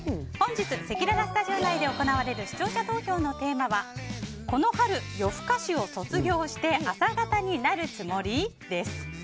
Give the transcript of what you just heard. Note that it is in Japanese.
本日、せきららスタジオ内で行われる視聴者投票のテーマはこの春夜更かしを卒業して朝型になるつもり？です。